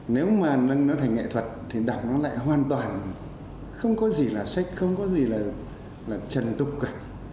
nếu mà nó thành nghệ thuật thì đọc nó lại hoàn toàn không có gì là sách không có gì là trần tục cả